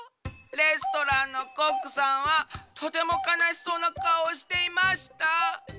レストランのコックさんはとてもかなしそうなかおをしていました。